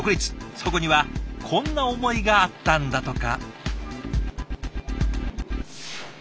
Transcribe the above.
そこにはこんな思いがあったんだとか。